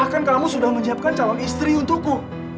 bahkan kamu sudah menyiapkan calon istri untukku